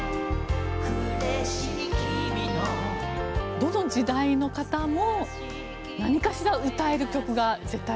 どの時代の方も何かしら歌える曲が絶対あるっていうね。